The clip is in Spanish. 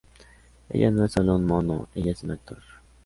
Ella no es solo un mono, ella es un actor.